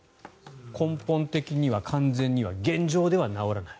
根本的には完全には現状では治らない。